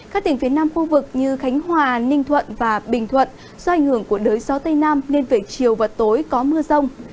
các tỉnh phía nam khu vực như khánh hòa ninh thuận và bình thuận do ảnh hưởng của đới gió tây nam nên về chiều và tối có mưa rông